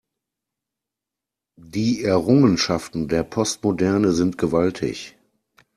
Die Errungenschaften der Postmoderne sind gewaltig.